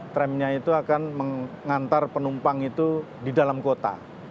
tramnya itu akan mengantar penumpang itu di dalam kota